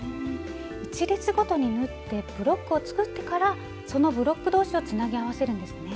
１列ごとに縫ってブロックを作ってからそのブロック同士をつなぎ合わせるんですね。